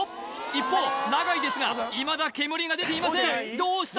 一方永井ですがいまだ煙が出ていませんどうした？